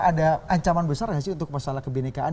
ada ancaman besar untuk masalah kebenekaan